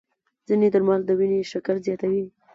ځینې درمل د وینې شکر زیاتوي.